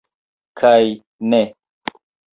Kaj... ne!